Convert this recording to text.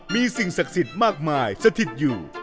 มีสิ่งศักดิ์สิทธิ์มากมายสถิตอยู่